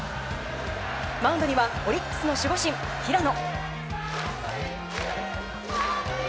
マウンドにはオリックスの守護神・平野。